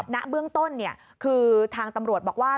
ณเบื้องต้นคือทางตำรวจบอกว่า